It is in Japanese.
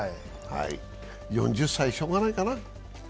４０歳しょうがないかな。